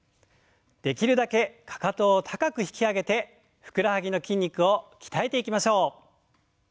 できるだけかかとを高く引き上げてふくらはぎの筋肉を鍛えていきましょう。